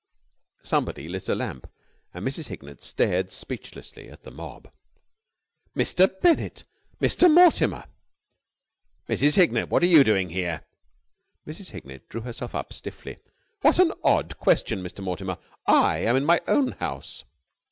Somebody lit a lamp, and Mrs. Hignett stared speechlessly at the mob. "Mr. Bennett! Mr. Mortimer!" "Mrs. Hignett! What are you doing here?" Mrs. Hignett drew herself up stiffly. "What an odd question, Mr. Mortimer! I am in my own house!"